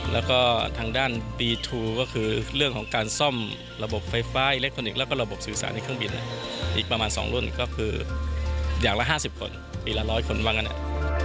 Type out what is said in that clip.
แล้วก็ทางด้านปีทูก็คือเรื่องของการซ่อมระบบไฟฟ้าอิเล็กทรอนิกส์แล้วก็ระบบสื่อสารในเครื่องบินอีกประมาณ๒รุ่นก็คืออย่างละ๕๐คนปีละ๑๐๐คนว่างั้นเนี่ย